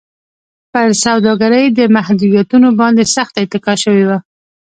پر سوداګرۍ د محدودیتونو باندې سخته اتکا شوې وه.